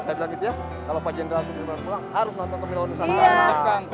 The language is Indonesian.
dan selanjutnya kalau pak general sudirman pulang harus nonton pemilu bukit santana